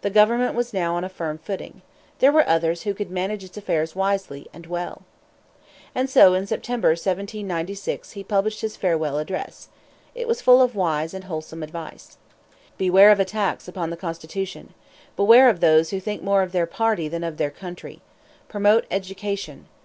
The government was now on a firm footing. There were others who could manage its affairs wisely and well. And so, in September, 1796, he published his Farewell Address. It was full of wise and wholesome advice. "Beware of attacks upon the Constitution. Beware of those who think more of their party than of their country. Promote education.